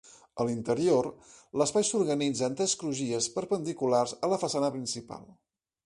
A l'interior, l'espai s'organitza en tres crugies perpendiculars a la façana principal.